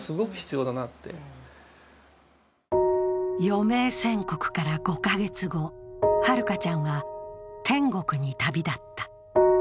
余命宣告から５カ月後、はるかちゃんは天国に旅立った。